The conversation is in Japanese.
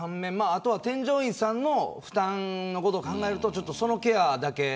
あとは添乗員さんの負担のことを考えるとそのケアだけ。